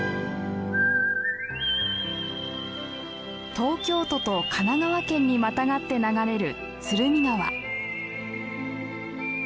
東京都と神奈川県にまたがって流れる鶴見川。